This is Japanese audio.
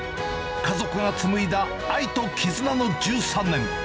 家族が紡いだ愛と絆の１３年。